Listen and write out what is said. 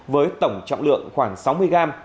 với tổng trọng lượng khoảng sáu mươi g